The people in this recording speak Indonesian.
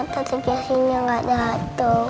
tante jessy gak dateng